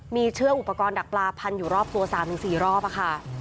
มีเชือกอุปกรณ์ดักปลาพันอยู่รอบตัว๓๔รอบค่ะ